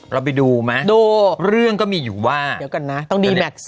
เราไปดูมั้ยดูเรื่องก็มีอยู่ว่าเดี๋ยวกันนะต้องดีแบต